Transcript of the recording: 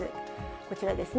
こちらですね。